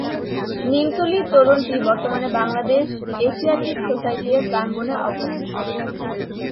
নিমতলীর তোরণটি বর্তমানে Bangladesh Asiatic society এর প্রাঙ্গণে অবস্থিত।